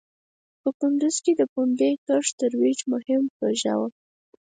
په کندوز کې د پومبې کښت ترویج مهم پروژه وه.